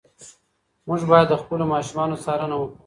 موږ باید د خپلو ماشومانو څارنه وکړو.